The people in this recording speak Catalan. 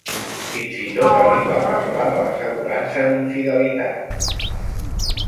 Fins i tot arriba a parlar de l'assegurança d'infidelitat.